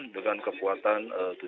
dengan kekuatan tujuh lima meter